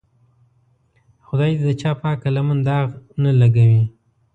خدای دې د چا پاکه لمن داغ نه لګوي.